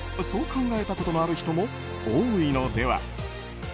そう考えたことのある人も多いのでは？